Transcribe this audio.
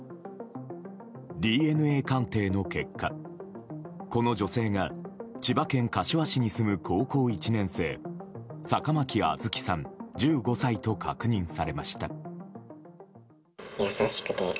ＤＮＡ鑑定の結果、この女性が千葉県柏市に住む高校１年生坂巻杏月さん、１５歳と確認されました。